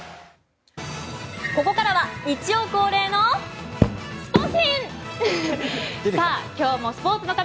ここからは日曜恒例のスポ神！